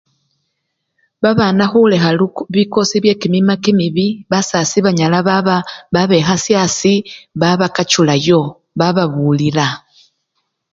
Babana khulekha luko bikosi byekimima kimibii basasi banyala baba! babekhasya asii babakachulayo bababulila.